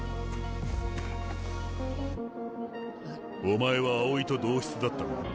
お前は青井と同室だったな。